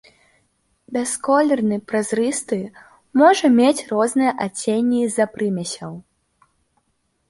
Бясколерны, празрысты, можа мець розныя адценні з-за прымесяў.